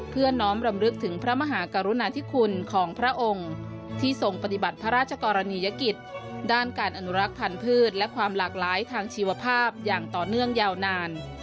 น้อมรำลึกถึงพระมหากรุณาธิคุณของพระองค์ที่ทรงปฏิบัติพระราชกรณียกิจด้านการอนุรักษ์พันธ์พืชและความหลากหลายทางชีวภาพอย่างต่อเนื่องยาวนาน